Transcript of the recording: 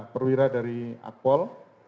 perwira dari akpol